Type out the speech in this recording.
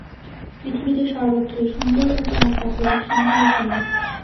পৃথিবীতে সর্বত্রই সুন্দর ও চমৎকার প্রতীকসমূহ বর্তমান।